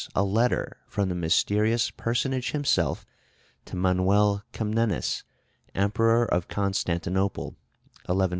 a letter from the mysterious personage himself to Manuel Comnenus, Emperor of Constantinople (1143 1180).